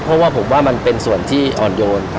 เพราะว่าผมว่ามันเป็นส่วนที่อ่อนโยน